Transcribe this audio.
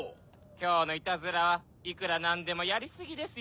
きょうのイタズラはいくらなんでもやりすぎですよ。